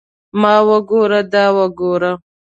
ما وګوره دا وګوره.